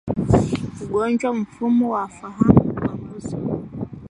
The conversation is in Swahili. Ugonjwa wa mfumo wa fahamu kwa mbuzi